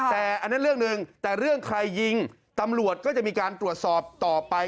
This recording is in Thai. แต่อันนั้นเรื่องหนึ่งแต่เรื่องใครยิงตำรวจก็จะมีการตรวจสอบต่อไป